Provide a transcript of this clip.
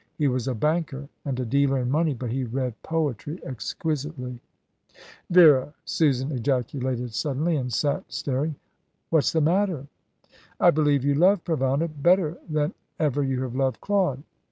He was a banker, and a dealer in money; but he read poetry exquisitely." "Vera!" Susan ejaculated suddenly, and sat staring. "What's the matter?" "I believe you loved Provana better than ever you have loved Claude."